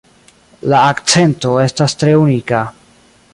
La akcento estas tre unika.